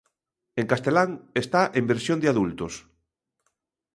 En castelán, está en versión de adultos.